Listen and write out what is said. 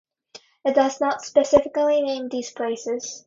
It does not specifically name these places.